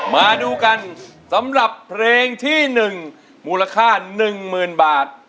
มาดูกันสำหรับเพลงที่๑มูลค่า๑๐๐๐บาท